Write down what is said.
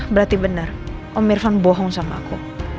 berarti bener om irvan bohong sama aku